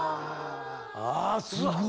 あすごっ！